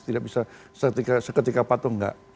tidak bisa seketika patuh enggak